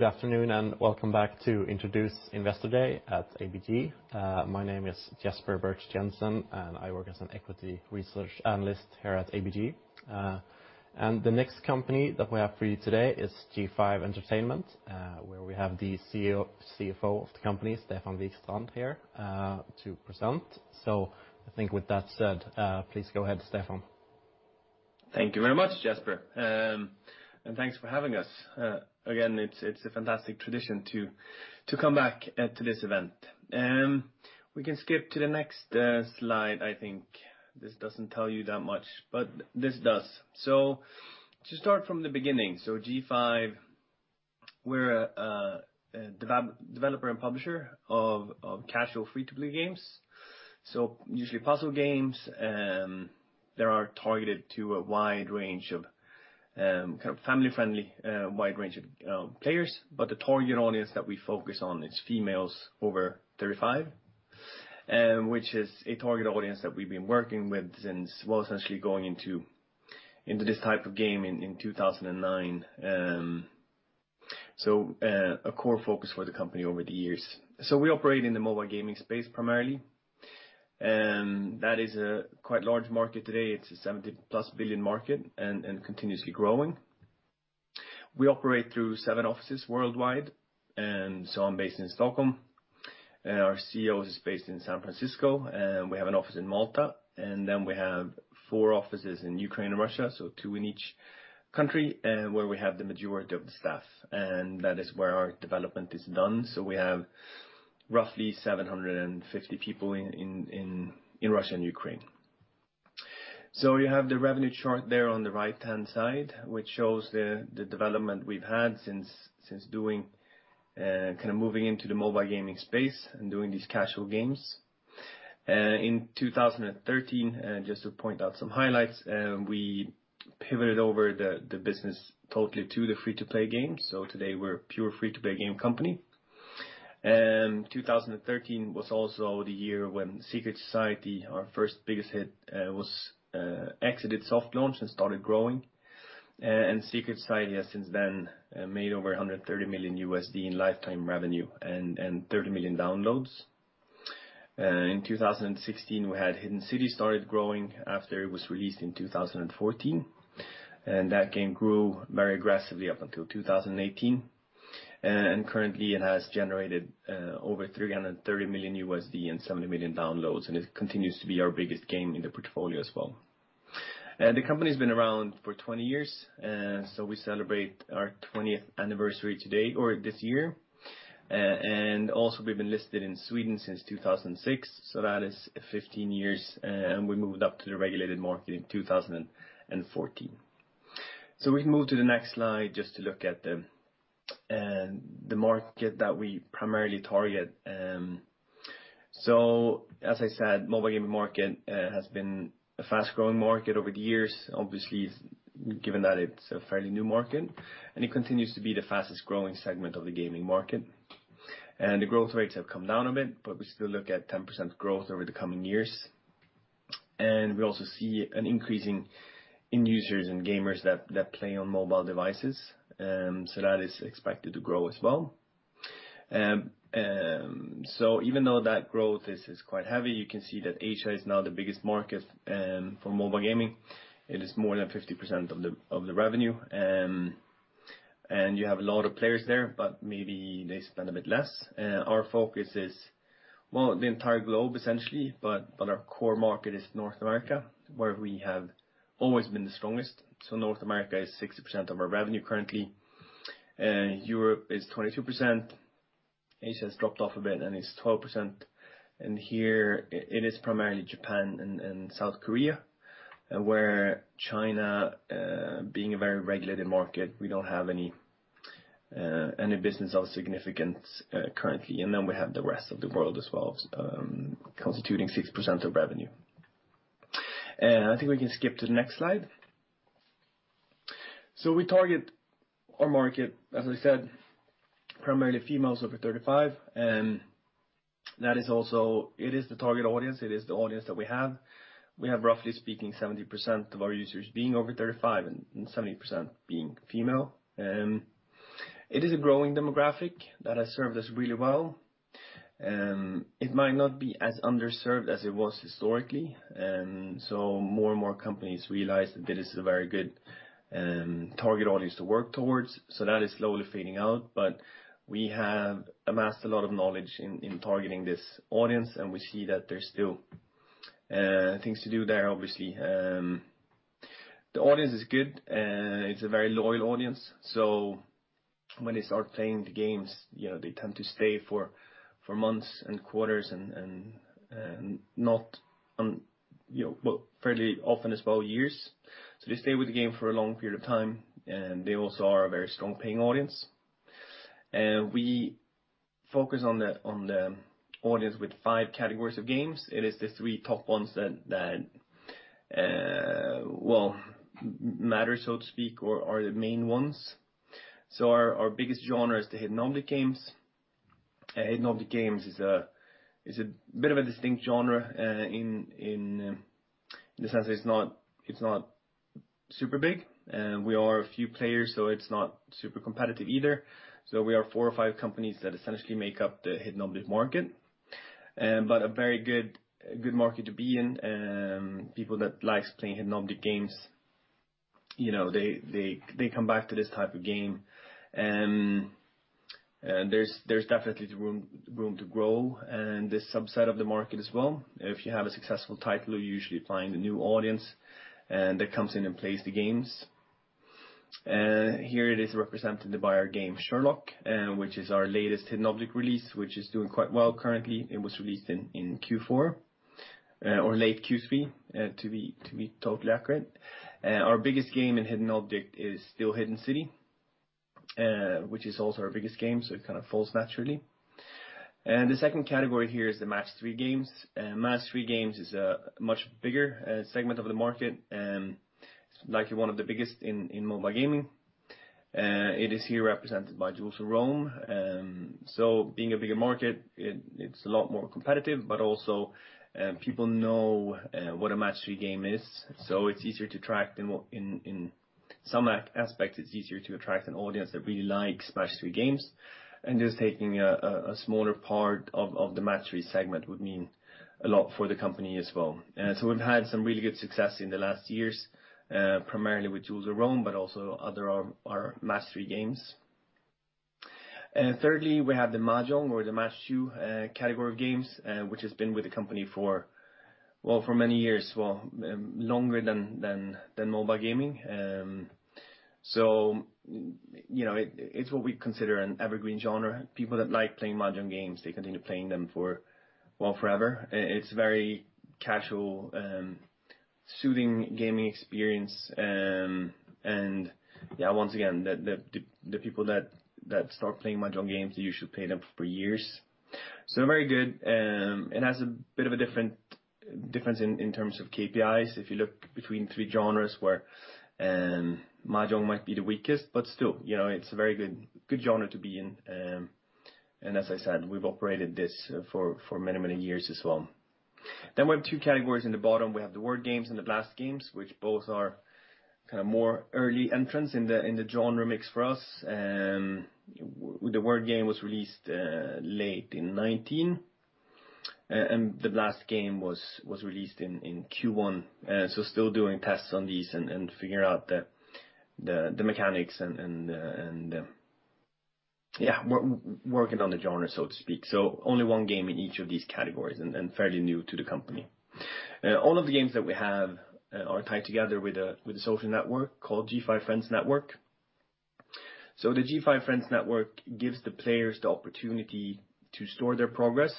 Good afternoon, welcome back to Introduce Investor Day at ABG. My name is Jesper Birch-Jensen, and I work as an equity research analyst here at ABG. The next company that we have for you today is G5 Entertainment, where we have the CFO of the company, Stefan Wikstrand here, to present. I think with that said, please go ahead, Stefan. Thank you very much, Jesper. Thanks for having us. Again, it's a fantastic tradition to come back to this event. We can skip to the next slide I think. This doesn't tell you that much, this does. To start from the beginning, G5, we're a developer and publisher of casual free-to-play games, usually puzzle games. They are targeted to a wide range of kind of family-friendly players. The target audience that we focus on is females over 35, which is a target audience that we've been working with since, well, essentially going into this type of gaming in 2009. A core focus for the company over the years. We operate in the mobile gaming space primarily, and that is a quite large market today. It's a $70-plus billion market and continuously growing. We operate through 7 offices worldwide, and so I'm based in Stockholm, and our CEO is based in San Francisco, and we have an office in Malta, and then we have 4 offices in Ukraine and Russia, so 2 in each country, where we have the majority of the staff, and that is where our development is done. We have roughly 750 people in Russia and Ukraine. You have the revenue chart there on the right-hand side, which shows the development we've had since doing kind of moving into the mobile gaming space and doing these casual games. In 2013, just to point out some highlights, we pivoted over the business totally to the free-to-play games. Today we're a pure free-to-play game company. 2013 was also the year when Secret Society, our first biggest hit, was exited soft launch and started growing. Secret Society has since then made over $130 million in lifetime revenue and 30 million downloads. In 2016, we had Hidden City started growing after it was released in 2014, that game grew very aggressively up until 2018. Currently it has generated over $330 million and 70 million downloads, it continues to be our biggest game in the portfolio as well. The company's been around for 20 years, we celebrate our 20th anniversary today or this year. We've been listed in Sweden since 2006, that is 15 years, we moved up to the regulated market in 2014. We can move to the next slide just to look at the market that we primarily target. As I said, mobile gaming market has been a fast-growing market over the years. Obviously, given that it's a fairly new market, it continues to be the fastest growing segment of the gaming market. The growth rates have come down a bit, we still look at 10% growth over the coming years. We also see an increase in users and gamers that play on mobile devices, so that is expected to grow as well. Even though that growth is quite heavy, you can see that Asia is now the biggest market for mobile gaming. It is more than 50% of the revenue. You have a lot of players there, but maybe they spend a bit less. Our focus is, well, the entire globe, essentially, but our core market is North America, where we have always been the strongest. North America is 60% of our revenue currently, Europe is 22%. Asia has dropped off a bit and is 12%, and here it is primarily Japan and South Korea. Where China, being a very regulated market, we don't have any business of significance currently. We have the rest of the world as well, constituting 6% of revenue. I think we can skip to the next slide. We target our market, as I said, primarily females over 35, and that is also, it is the target audience, it is the audience that we have. We have, roughly speaking, 70% of our users being over 35 and 70% being female. It is a growing demographic that has served us really well. It might not be as underserved as it was historically, so more and more companies realize that this is a very good target audience to work towards, so that is slowly fading out. We have amassed a lot of knowledge in targeting this audience, and we see that there's still things to do there, obviously. The audience is good, it's a very loyal audience, so when they start playing the games, you know, they tend to stay for months and quarters and not, you know, well, fairly often as well, years. They stay with the game for a long period of time, and they also are a very strong paying audience. We focus on the audience with five categories of games. It is the three top ones that, well, matter, so to speak, or are the main ones. Our biggest genre is the hidden object games. hidden object games is a bit of a distinct genre, in the sense that it's not super big, and we are a few players, so it's not super competitive either. We are four or five companies that essentially make up the hidden object market, but a very good market to be in. People that likes playing hidden object games, you know, they come back to this type of game. There's definitely room to grow in this subset of the market as well. If you have a successful title, you're usually finding a new audience, and that comes in and plays the games. Here it is represented by our game Sherlock, which is our latest hidden object release, which is doing quite well currently. It was released in Q4, or late Q3, to be totally accurate. Our biggest game in hidden object is still Hidden City, which is also our biggest game, so it kind of falls naturally. The second category here is the match-three games. Match-three games is a much bigger segment of the market, likely one of the biggest in mobile gaming. It is here represented by Jewels of Rome. Being a bigger market, it's a lot more competitive, but also, people know what a match-three game is, so it's easier to attract in some aspects, it's easier to attract an audience that really likes match-three games, and just taking a smaller part of the match-three segment would mean a lot for the company as well. We've had some really good success in the last years, primarily with Jewels of Rome, but also other of our match-three games. Thirdly, we have the Mahjong, or the match-two, category of games, which has been with the company for... Well, for many years. Well, longer than mobile gaming. You know, it's what we consider an evergreen genre. People that like playing Mahjong games, they continue playing them for, well, forever. It's very casual, soothing gaming experience. Once again, the people that start playing Mahjong games, usually play them for years. Very good, and has a bit of a difference in terms of KPIs. If you look between three genres, where Mahjong might be the weakest, but still, you know, it's a very good genre to be in. As I said, we've operated this for many, many years as well. We have two categories in the bottom. We have the word games and the Blast games, which both are kind of more early entrants in the genre mix for us. The word game was released late in 2019, and the blast game was released in Q1. Still doing tests on these and figuring out the mechanics and working on the genre, so to speak. Only one game in each of these categories and fairly new to the company. All of the games that we have are tied together with a social network called G5 Friends Network. The G5 Friends Network gives the players the opportunity to store their progress,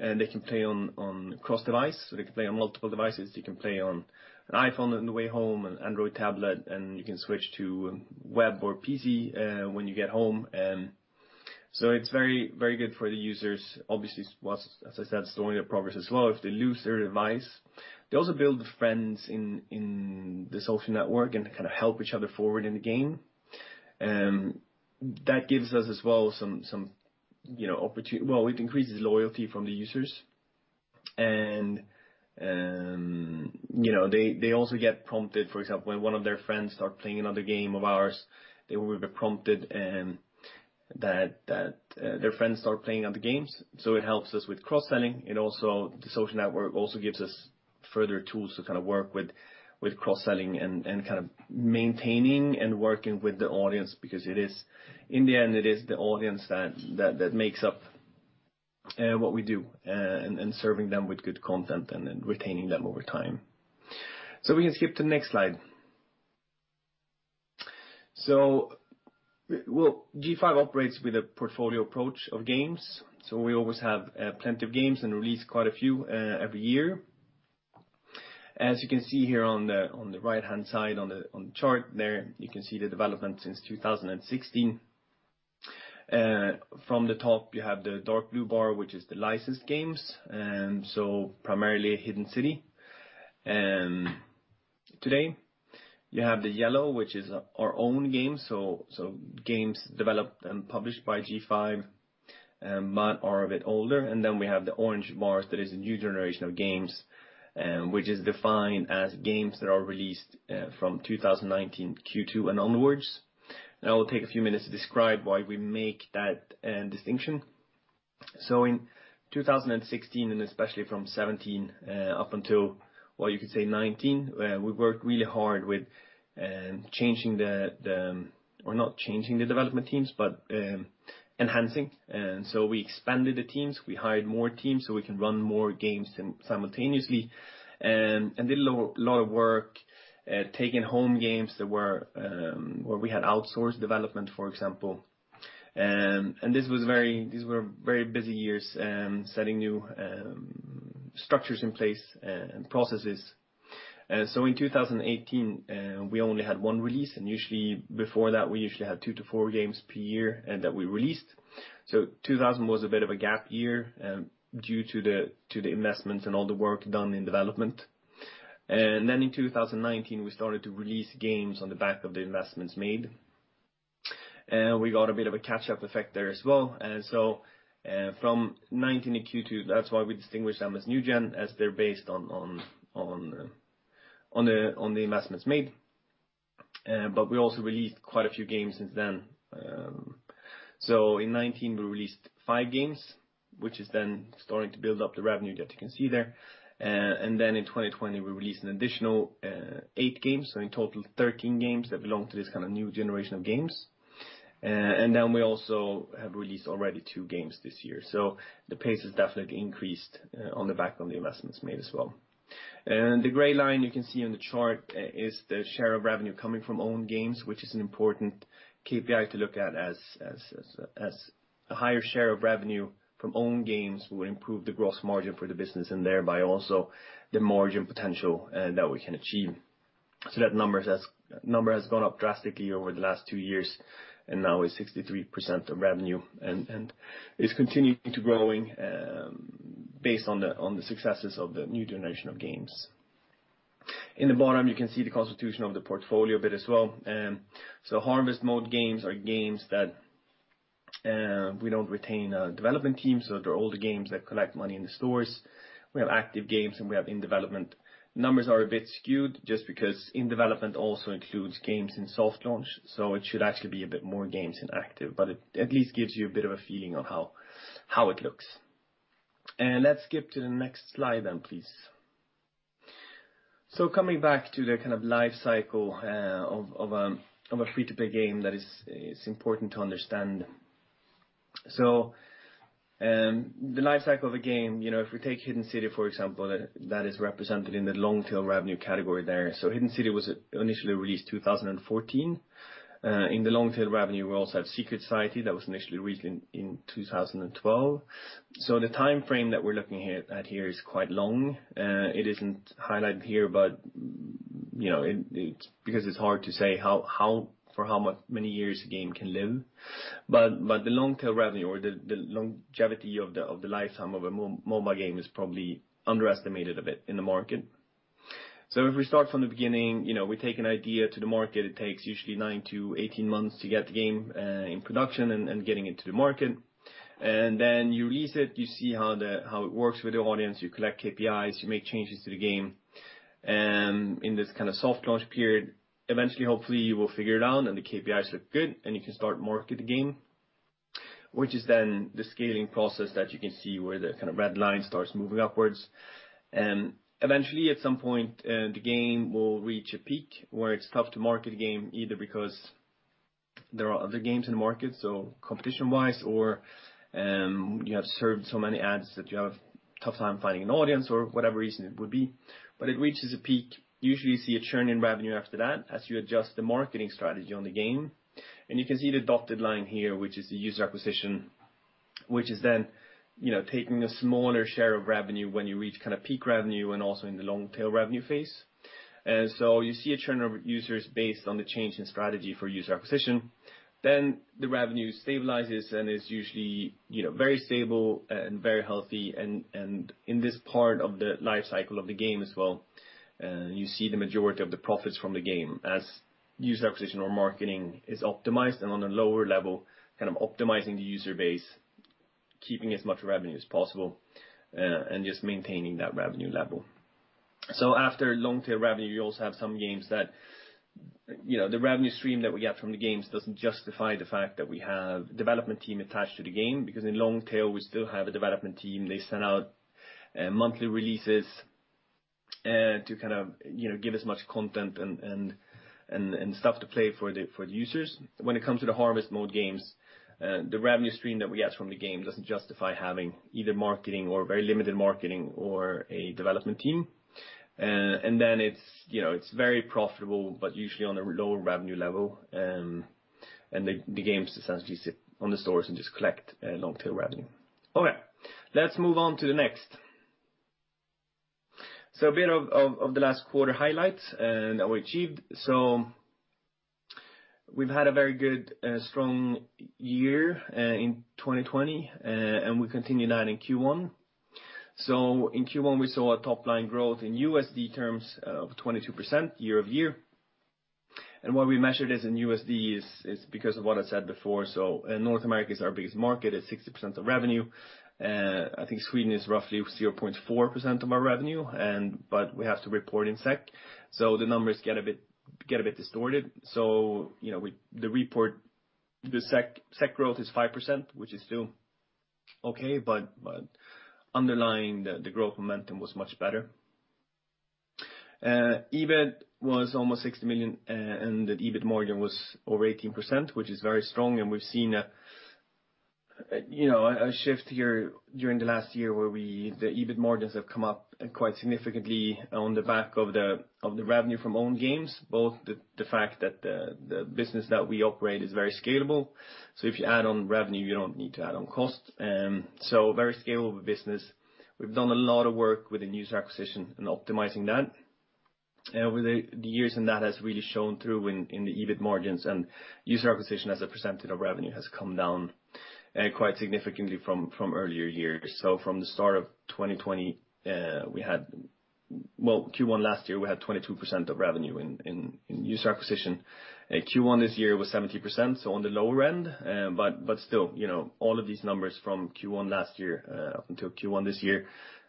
and they can play on cross device, so they can play on multiple devices. They can play on an iPhone on the way home, an Android tablet, and you can switch to web or PC when you get home. It's very, very good for the users. Obviously, as I said, storing their progress as well, if they lose their device. They also build friends in the social network and kind of help each other forward in the game. That gives us as well some, you know, it increases loyalty from the users. You know, they also get prompted, for example, when one of their friends start playing another game of ours, they will be prompted that their friends start playing other games. It helps us with cross-selling. The social network also gives us further tools to kind of work with cross-selling and kind of maintaining and working with the audience, because it is... In the end, it is the audience that makes up what we do, and serving them with good content and retaining them over time. We can skip to the next slide. Well, G5 operates with a portfolio approach of games, so we always have plenty of games and release quite a few every year. As you can see here on the right-hand side, on the chart there, you can see the development since 2016. From the top, you have the dark blue bar, which is the licensed games, so primarily Hidden City. Today, you have the yellow, which is our own games, so games developed and published by G5, but are a bit older. We have the orange bars that is the New Generation of games, which is defined as games that are released from 2019, Q2 and onwards. I will take a few minutes to describe why we make that distinction. In 2016, and especially from 17, up until, well, you could say 19, we worked really hard with changing the. Well, not changing the development teams, but enhancing. We expanded the teams, we hired more teams, so we can run more games simultaneously, and did a lot of work taking home games that were where we had outsourced development, for example. These were very busy years, setting new structures in place and processes. In 2018, we only had one release, and usually before that, we usually had 2-4 games per year that we released. 2000 was a bit of a gap year due to the investments and all the work done in development. In 2019, we started to release games on the back of the investments made. We got a bit of a catch-up effect there as well. From 19 in Q2, that's why we distinguish them as New Gen, as they're based on the investments made. We also released quite a few games since then. In 19, we released 5 games, which is then starting to build up the revenue that you can see there. Then in 2020, we released an additional 8 games, so in total, 13 games that belong to this kind of new generation of games. Then we also have released already 2 games this year. The pace has definitely increased on the back on the investments made as well. The gray line you can see on the chart is the share of revenue coming from own games, which is an important KPI to look at as a higher share of revenue from own games will improve the gross margin for the business, and thereby also the margin potential that we can achieve. That number has gone up drastically over the last two years and now is 63% of revenue, and is continuing to growing based on the successes of the new generation of games. In the bottom, you can see the constitution of the portfolio a bit as well. Harvest mode games are games that we don't retain development teams, so they're older games that collect money in the stores. We have active games, and we have in-development. Numbers are a bit skewed just because in development also includes games in soft launch, it should actually be a bit more games in active, but it at least gives you a bit of a feeling of how it looks. Let's skip to the next slide then, please. Coming back to the kind of life cycle of a free-to-play game, it's important to understand. The life cycle of a game, you know, if we take Hidden City, for example, that is represented in the long-tail revenue category there. Hidden City was initially released 2014. In the long-tail revenue, we also have Secret Society, that was initially released in 2012. The time frame that we're looking here is quite long. It isn't highlighted here, but, you know, it's because it's hard to say how for how much many years a game can live. The long-tail revenue or the longevity of the lifetime of a mobile game is probably underestimated a bit in the market. If we start from the beginning, you know, we take an idea to the market. It takes usually 9 to 18 months to get the game in production and getting it to the market. You release it, you see how it works with the audience, you collect KPIs, you make changes to the game. In this kind of soft launch period, eventually, hopefully, you will figure it out, and the KPIs look good, and you can start to market the game, which is then the scaling process that you can see where the kind of red line starts moving upwards. Eventually, at some point, the game will reach a peak where it's tough to market a game, either because there are other games in the market, so competition-wise, or, you have served so many ads that you have a tough time finding an audience or whatever reason it would be. It reaches a peak. Usually, you see a churn in revenue after that, as you adjust the marketing strategy on the game. You can see the dotted line here, which is the user acquisition, which is then, you know, taking a smaller share of revenue when you reach kind of peak revenue and also in the long-tail revenue phase. You see a churn of users based on the change in strategy for user acquisition. The revenue stabilizes and is usually, you know, very stable and very healthy, and in this part of the life cycle of the game as well, you see the majority of the profits from the game as user acquisition or marketing is optimized and on a lower level, kind of optimizing the user base, keeping as much revenue as possible, and just maintaining that revenue level. After long-tail revenue, you also have some games that, you know, the revenue stream that we get from the games doesn't justify the fact that we have development team attached to the game, because in long tail, we still have a development team. They send out monthly releases to kind of, you know, give as much content and stuff to play for the users. When it comes to the harvest mode games, the revenue stream that we get from the game doesn't justify having either marketing or very limited marketing or a development team. Then it's, you know, it's very profitable, but usually on a lower revenue level, the games essentially sit on the stores and just collect long-tail revenue. Okay, let's move on to the next. A bit of the last quarter highlights that we achieved. We've had a very good, strong year in 2020, and we continued that in Q1. In Q1, we saw a top-line growth in USD terms of 22% year-over-year. Why we measured this in USD is because of what I said before, North America is our biggest market, it's 60% of revenue. I think Sweden is roughly 0.4% of our revenue, and but we have to report in SEK, so the numbers get a bit distorted. You know, we the report, the SEK growth is 5%, which is still okay, but underlying the growth momentum was much better. EBIT was almost 60 million, and the EBIT margin was over 18%, which is very strong, and we've seen a, you know, a shift here during the last year where we, the EBIT margins have come up quite significantly on the back of the revenue from own games, both the fact that the business that we operate is very scalable. If you add on revenue, you don't need to add on cost. So very scalable business. We've done a lot of work with the user acquisition and optimizing that. over the years, That has really shown through in the EBIT margins. User acquisition as a percentage of revenue has come down quite significantly from earlier years. From the start of 2020. Well, Q1 last year, we had 22% of revenue in user acquisition. Q1 this year was 70%, so on the lower end. Still, you know, all of these numbers from Q1 last year up until Q1 this year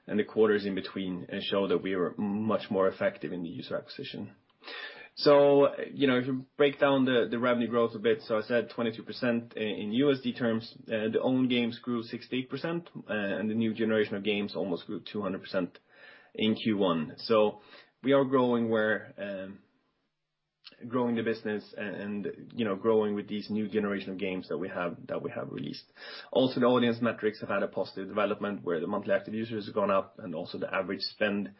and the quarters in between show that we were much more effective in the user acquisition. You know, if you break down the revenue growth a bit, I said 22% in USD terms, the own games grew 68, and the new generation of games almost grew 200% in Q1. We are growing where, growing the business and, you know, growing with these new generation of games that we have, that we have released. Also, the audience metrics have had a positive development, where the monthly active users have gone up and also the average spend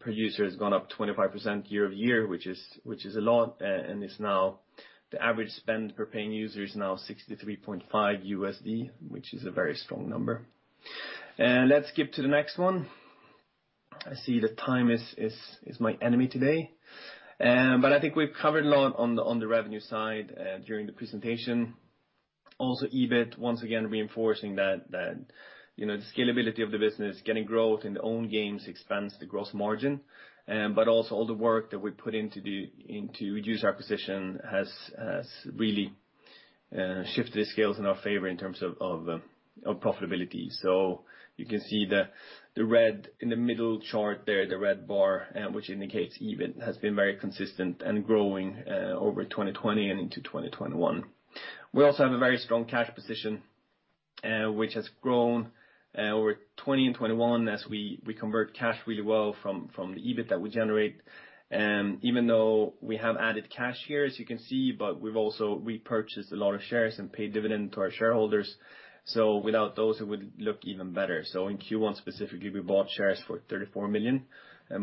per user has gone up 25% year-over-year, which is a lot. It's now the average spend per paying user is now $63.5, which is a very strong number. Let's skip to the next one. I see that time is my enemy today. I think we've covered a lot on the, on the revenue side during the presentation. Also, EBIT, once again, reinforcing that, you know, the scalability of the business, getting growth in the own games expands the gross margin, but also all the work that we put into the user acquisition has really shifted the scales in our favor in terms of profitability. You can see the red in the middle chart there, the red bar, which indicates EBIT, has been very consistent and growing over 2020 and into 2021. We also have a very strong cash position, which has grown over 2020 and 2021 as we convert cash really well from the EBIT that we generate. Even though we have added cash here, as you can see, but we've also repurchased a lot of shares and paid dividend to our shareholders, so without those, it would look even better. In Q1 specifically, we bought shares for 34 million,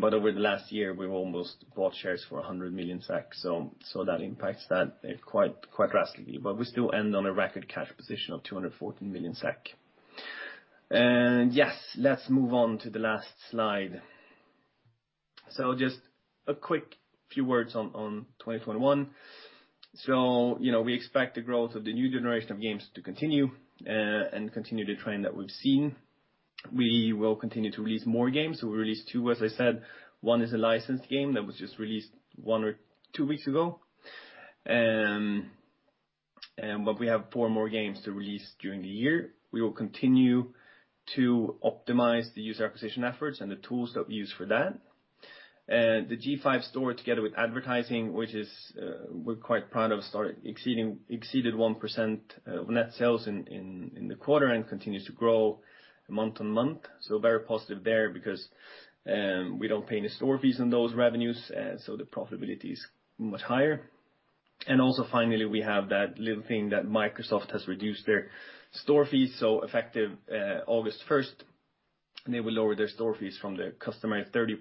but over the last year, we've almost bought shares for 100 million, so that impacts that quite drastically. We still end on a record cash position of 214 million SEK. Yes, let's move on to the last slide. Just a quick few words on 2021. You know, we expect the growth of the New Gen of games to continue and continue the trend that we've seen. We will continue to release more games, so we released two, as I said. One is a licensed game that was just released one or two weeks ago. But we have four more games to release during the year. We will continue to optimize the user acquisition efforts and the tools that we use for that. The G5 Store, together with advertising, which is, we're quite proud of, exceeded 1% of net sales in the quarter and continues to grow month-on-month. Very positive there, because, we don't pay any store fees on those revenues, so the profitability is much higher. Also, finally, we have that little thing that Microsoft has reduced their store fees, so effective, August 1st, they will lower their store fees from the customary 30%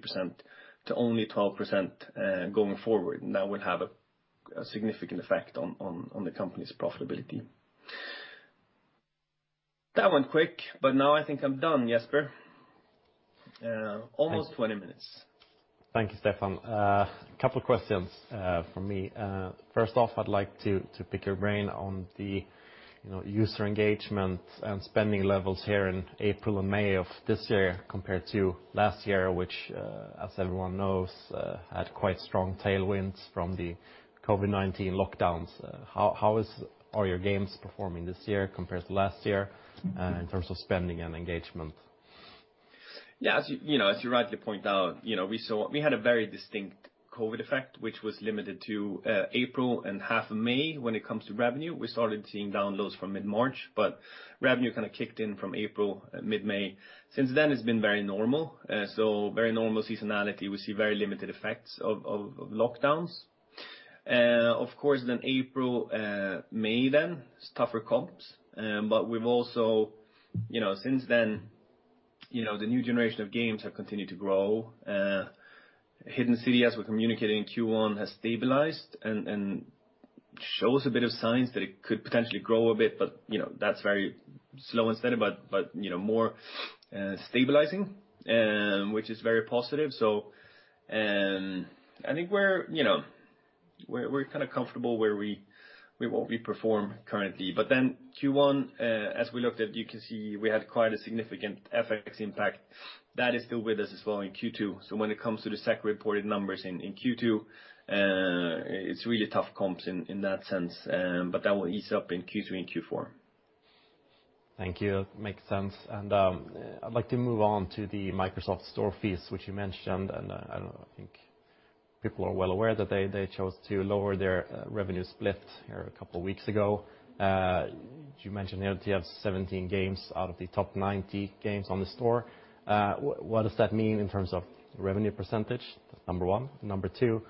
to only 12% going forward. That will have a significant effect on the company's profitability. That went quick, but now I think I'm done, Jesper. Almost 20 minutes. Thank you, Stefan. Couple of questions from me. First off, I'd like to pick your brain on the, you know, user engagement and spending levels here in April and May of this year compared to last year, which, as everyone knows, had quite strong tailwinds from the COVID-19 lockdowns. How are your games performing this year compared to last year, in terms of spending and engagement? Yeah, as you know, as you rightly point out, you know, we had a very distinct COVID effect, which was limited to April and half of May when it comes to revenue. We started seeing downloads from mid-March, but revenue kind of kicked in from April, mid-May. Since then, it's been very normal, so very normal seasonality. We see very limited effects of lockdowns. Of course, then April, May then, tougher comps, we've also. Since then, you know, the new generation of games have continued to grow. Hidden City, as we communicated in Q1, has stabilized and shows a bit of signs that it could potentially grow a bit, but, you know, that's very slow and steady, but, you know, more stabilizing, which is very positive. I think we're, you know, we're kinda comfortable where we, where what we perform currently. Q1, as we looked at, you can see we had quite a significant FX impact. That is still with us as well in Q2. When it comes to the SEK reported numbers in Q2, it's really tough comps in that sense, but that will ease up in Q3 and Q4. Thank you. Makes sense. I'd like to move on to the Microsoft Store fees, which you mentioned. I don't know, I think people are well aware that they chose to lower their revenue split here a couple of weeks ago. You mentioned you have 17 games out of the top 90 games on the store. What does that mean in terms of revenue percentage? Number one. Number two,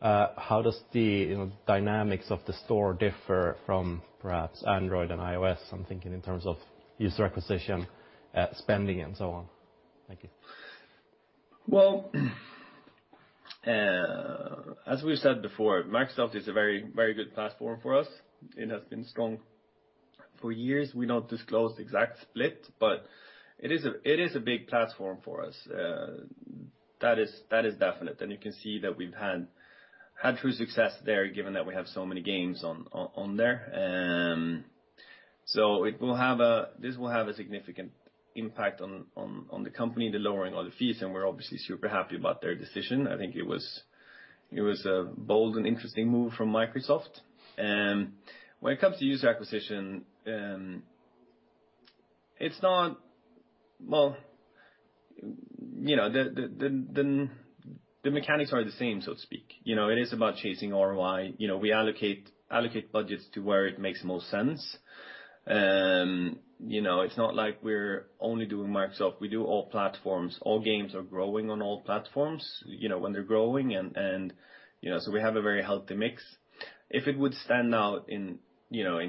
how does the, you know, dynamics of the store differ from perhaps Android and iOS? I'm thinking in terms of user acquisition spending, and so on. Thank you. Well, as we've said before, Microsoft is a very, very good platform for us. It has been strong for years. We don't disclose the exact split, but it is a big platform for us. That is definite, and you can see that we've had true success there, given that we have so many games on there. This will have a significant impact on the company, the lowering of the fees. We're obviously super happy about their decision. I think it was a bold and interesting move from Microsoft. When it comes to user acquisition, well, you know, the mechanics are the same, so to speak. You know, it is about chasing ROI. You know, we allocate budgets to where it makes the most sense. You know, it's not like we're only doing Microsoft. We do all platforms. All games are growing on all platforms, you know, when they're growing, and, you know, so we have a very healthy mix. If it would stand out, you know,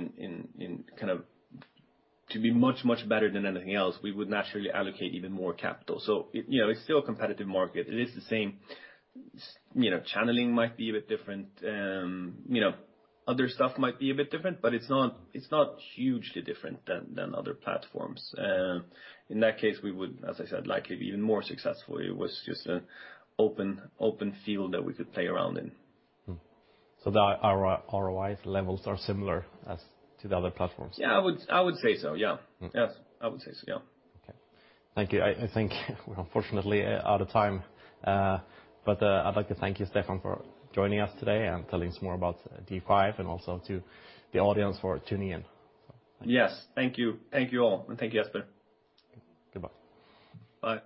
to be much, much better than anything else, we would naturally allocate even more capital. It, you know, it's still a competitive market. It is the same. You know, channeling might be a bit different, you know, other stuff might be a bit different, but it's not, it's not hugely different than other platforms. In that case, we would, as I said, likely be even more successful. It was just an open field that we could play around in. The ROIs levels are similar as to the other platforms? Yeah, I would say so. Yeah. Mm-hmm. Yes, I would say so, yeah. Okay. Thank you. I think we're unfortunately out of time, but I'd like to thank you, Stefan, for joining us today and telling us more about G5, and also to the audience for tuning in. Yes. Thank you. Thank you, all, and thank you, Jesper. Goodbye. Bye.